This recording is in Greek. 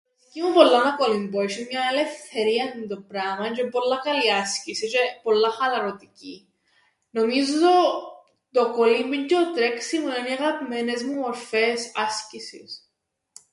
Αρέσκει μου πολλά να κολυμπώ, έσ̆ει μιαν ελευθερίαν τούντο πράμαν τζ̆αι εν' πολλά καλή άσκηση τζ̆αι πολλά χαλαρωτική. Νομίζω το κολύμπιν τζ̆αι (τ)ο τρέξιμον εν' οι αγαπημένες μου μορφές άσκησης.